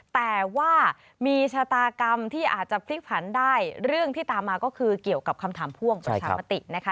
แต่ว่ามีชะตากรรมที่อาจจะพลิกผันได้เรื่องที่ตามมาก็คือเกี่ยวกับคำถามพ่วงประชามตินะคะ